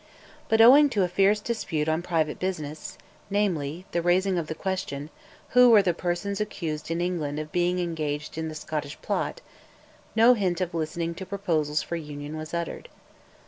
But owing to a fierce dispute on private business namely, the raising of the question, "Who were the persons accused in England of being engaged in the 'Scottish Plot'?" no hint of listening to proposals for Union was uttered.